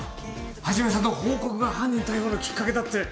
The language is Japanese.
一さんの報告が犯人逮捕のきっかけだって。